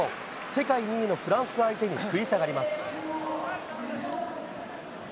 世界２位のフランス相手に食い下がります。